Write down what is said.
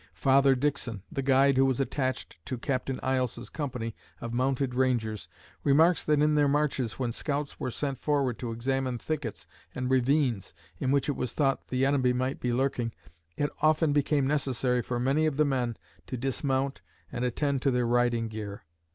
Father Dixon, the guide who was attached to Captain Iles's company of mounted rangers, remarks that in their marches when scouts were sent forward to examine thickets and ravines in which it was thought the enemy might be lurking it often became necessary for many of the men to dismount and attend to their riding gear.